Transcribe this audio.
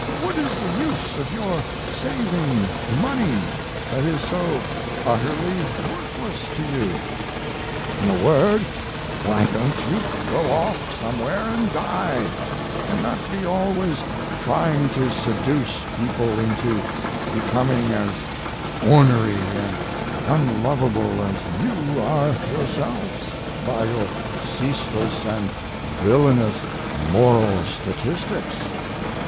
What is the use of your saving money that is so utterly worthless to you? In a word, why don't you go off somewhere and die, and not be always trying to seduce people into becoming as "ornery" and unlovable as you are yourselves, by your ceaseless and villainous "moral statistics"?